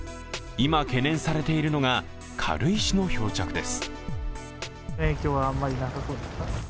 今、懸念されているのが軽石の漂着です。